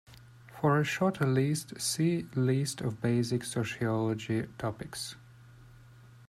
For a shorter list, see List of basic sociology topics.